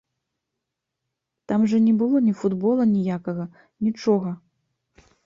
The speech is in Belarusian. Там жа не было ні футбола ніякага, нічога.